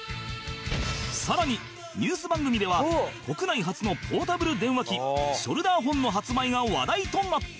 さらにニュース番組では国内初のポータブル電話機ショルダーホンの発売が話題となった